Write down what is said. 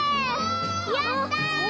やった！